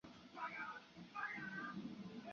时常发酒疯